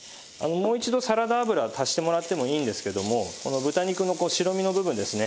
もう一度サラダ油を足してもらってもいいんですけれどもこの豚肉の白身の部分ですね。